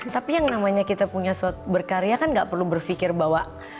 tapi yang namanya kita punya suatu berkarya kan gak perlu berpikir bahwa